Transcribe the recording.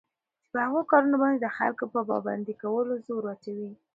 چې په هغو كارونو باندي دخلكوپه پابند كولو زور اچوي